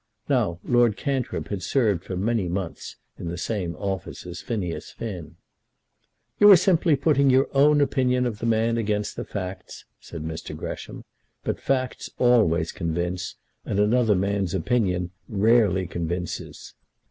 Now Lord Cantrip had served for many months in the same office as Phineas Finn. "You are simply putting your own opinion of the man against the facts," said Mr. Gresham. "But facts always convince, and another man's opinion rarely convinces."